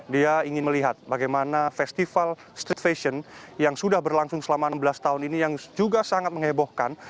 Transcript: dia ingin melihat bagaimana festival street fashion yang sudah berlangsung selama enam belas tahun ini yang juga sangat menghebohkan